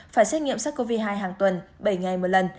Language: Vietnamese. phải xét nghiệm sars cov hai hàng tuần bảy ngày một lần